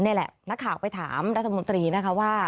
นี่แหละนักข่าวไปถามรัฐมนตรีนะคะว่า